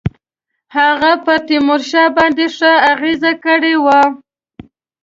هغه پر تیمورشاه باندي ښه اغېزه کړې وه.